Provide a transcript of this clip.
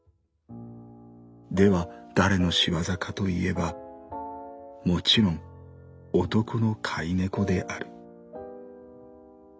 では誰の仕業かといえばもちろん男の飼い猫である。